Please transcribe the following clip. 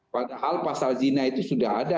padahal pasal zina itu sudah ada